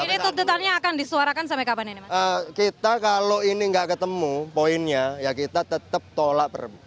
ini tuntutannya akan disuarakan sampai kapan ini kita kalau ini nggak ketemu poinnya ya kita tetap tolak perbu